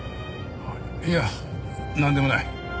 いやなんでもない。